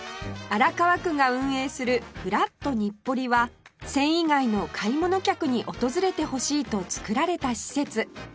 荒川区が運営する「ふらっとにっぽり」は繊維街の買い物客に訪れてほしいと造られた施設